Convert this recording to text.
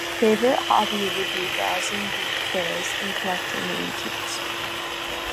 My favourite hobby would be browsing boot fairs and collecting antiques.